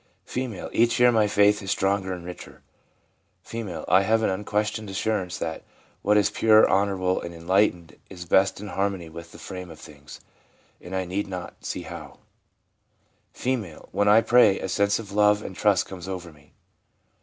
F. ' Each year my faith is stronger and richer/ F. ' I have unquestioned assur ance that what is pure, honourable and enlightened is best in harmony with the frame of things, and I need not see how/ F. ' When I pray, a sense of love and trust comes over me.'